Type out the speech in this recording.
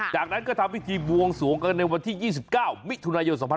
จากนั้นก็ทำพิธีบวงสวงกันในวันที่๒๙มิถุนายน๒๕๖๒